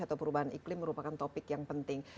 atau perubahan iklim merupakan topik yang penting